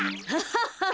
ハハハ！